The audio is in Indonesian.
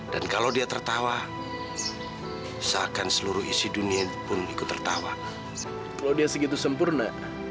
dan kalau dia tertawa seakan seluruh isi dunia pun ikut tertawa kalau dia segitu sempurna